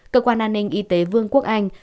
cơ quan an ninh y tế vương quốc anh